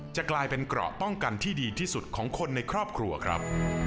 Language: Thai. จะกลายเป็นเกราะป้องกันที่ดีที่สุดของคนในครอบครัวครับ